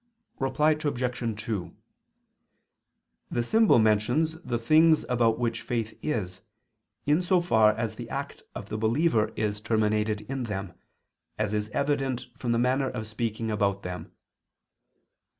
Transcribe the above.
Reply Obj. 2: The symbol mentions the things about which faith is, in so far as the act of the believer is terminated in them, as is evident from the manner of speaking about them.